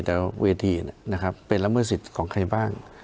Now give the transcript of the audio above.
แต่ว่าเวทีเป็นละเมื่อสิทธิ์ของใครบ้าง